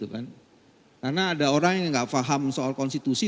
karena ada orang yang tidak paham soal konstitusi